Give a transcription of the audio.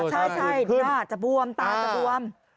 ใช่หน้าจะบวมตาจะบวม